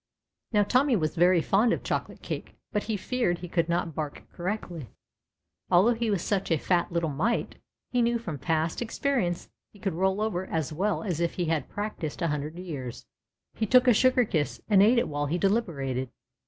Now Tommy was very fond of chocolate cake^ but he feared he could not bark correctly, although he was such a fat little mite he knew from past experience he could roll over as well as if he had practised a hundred years. He took a sugar kiss and ate it while he deliberated.